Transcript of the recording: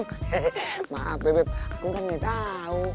hehehe maaf beb aku kan gak tau